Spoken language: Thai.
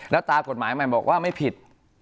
แล้วตากฎหมายใหม่บอกว่าไม่ผิด